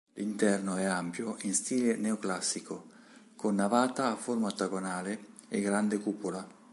L'interno è ampio in stile neoclassico, con navata a forma ottagonale e grande cupola.